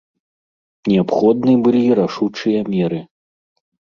Неабходны былі рашучыя меры.